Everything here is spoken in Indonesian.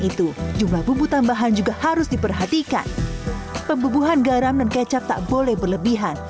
itu jumlah bubu tambahan juga harus diperhatikan pembubuhan garam dan kecap tak boleh berlebihan